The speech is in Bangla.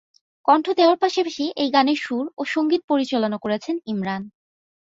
কণ্ঠ দেওয়ার পাশাপাশি এই গানের সুর ও সংগীত পরিচালনা করেছেন ইমরান।